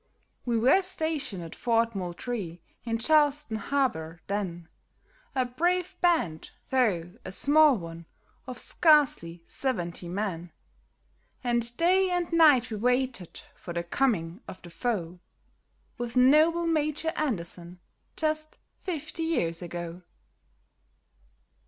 We were stationed at Fort Moultrie, in Charleston harbor, then, A brave band, though a small one, of scarcely seventy men ; And day and night we waited for the coming of the foe, With noble Major Anderson, just fifty years ago.